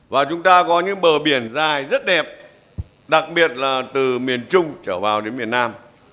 và chúng ta có những bờ biển dài rất đẹp đặc biệt là từ miền trung trở vào đến miền nam